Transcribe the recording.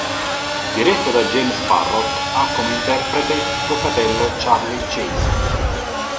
Diretto da James Parrott, ha come interprete suo fratello Charley Chase.